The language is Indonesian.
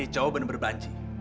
ini cowok benar benar berbanji